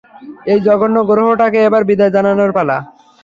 এই জঘন্য গ্রহটাকে এবার বিদায় জানানোর পালা!